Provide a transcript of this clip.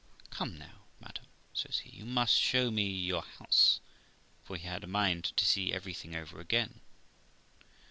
'Come now, madam', says he, 'you must show me your house' (for he had a mind to see everything over again).